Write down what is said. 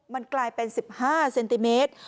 มันกลายเป็นสิบห้าเซนติเมตร